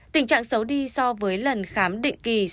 tình trạng xấu đi so với lần khám định kỳ